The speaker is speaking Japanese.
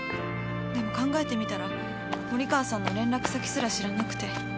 でも考えてみたら森川さんの連絡先すら知らなくて。